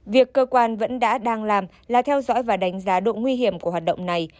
việc cơ quan vẫn đã đang làm là theo dõi và đánh giá độ nguy hiểm của hoạt động này